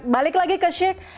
balik lagi ke syekh